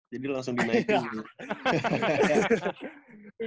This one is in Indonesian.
jadi langsung dinaikin gitu